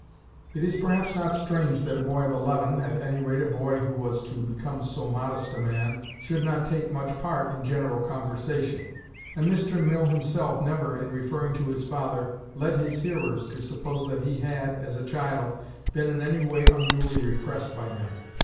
It is perhaps not strange that a boy of eleven, at any rate a boy who was to become so modest a man, should not take much part in general conversation; and Mr. Mill himself never, in referring to his father, led his hearers to suppose that he had, as a child, been in any way unduly repressed by him.